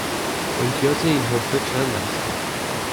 امتیاز این حفره چند است؟